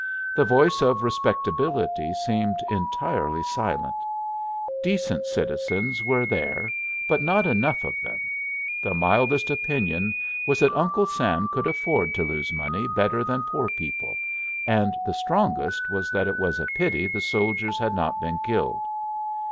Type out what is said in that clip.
The voice of respectability seemed entirely silent; decent citizens were there, but not enough of them. The mildest opinion was that Uncle Sam could afford to lose money better than poor people, and the strongest was that it was a pity the soldiers had not been killed.